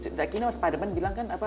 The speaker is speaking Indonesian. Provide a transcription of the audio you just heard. seperti yang pak spiderman bilang kan